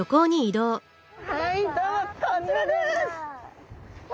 はいどうぞこちらです！